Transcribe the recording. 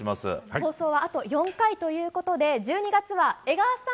放送はあと４回ということで１２月は江川さん